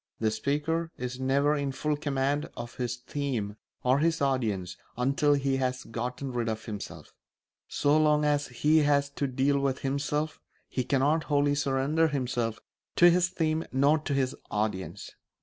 The speaker is never in full command of his theme or his audience until he has gotten rid of himself; so long as he has to deal with himself he cannot wholly surrender himself to his theme nor to his audience.